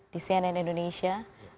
di cnn indonesia